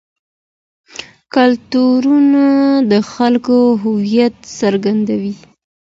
کلتورونه د خلکو هویت څرګندوي.